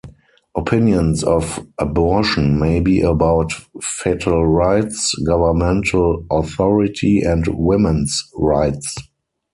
Opinions of abortion may be about fetal rights, governmental authority, and women's rights.